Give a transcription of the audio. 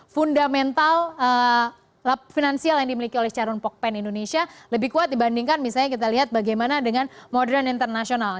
fundamental finansial yang dimiliki oleh charun pokpen indonesia lebih kuat dibandingkan misalnya kita lihat bagaimana dengan modern internasional